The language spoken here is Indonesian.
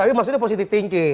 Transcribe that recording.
tapi maksudnya positif thinking